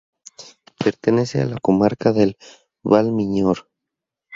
Pertenece a la comarca del Val Miñor.